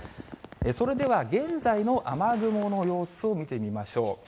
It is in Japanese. それでは現在の雨雲の様子を見てみましょう。